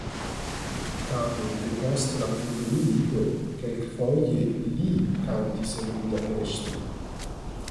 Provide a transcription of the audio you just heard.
Tamen depost la mondomilito kelkfoje li kantis en Budapeŝto.